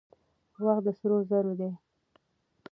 وخت د سرو زرو دی.